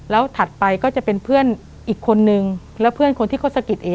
แล้วถัดไปก็จะเป็นเพื่อนอีกคนนึงแล้วเพื่อนคนที่เขาสะกิดเอ๋